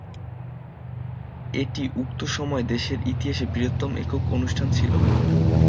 এটি উক্ত সময়ে দেশের ইতিহাসে বৃহত্তম একক অনুষ্ঠান ছিল।